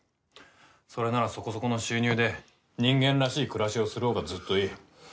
それならそこそこの収入で人間らしい暮らしをするほうがずっといい。